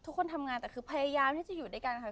ทุกคนทำงานแต่คือพยายามที่จะอยู่ด้วยกันค่ะ